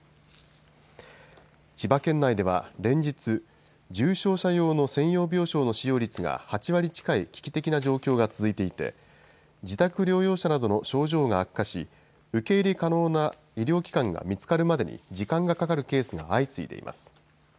千葉県内では連日、重症者用の専用病床の使用率が８割近い危機的な状況が続いていて、自宅療養者などの症状が悪化し、受け入れ可能な医療機関が見つかるまでに時間がかかるケースが相次いでいます。